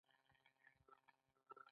هر بدن یو وخت خاورو ته ورګرځي.